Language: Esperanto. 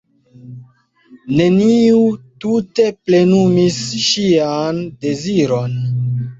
Neniu tute plenumis ŝian deziron.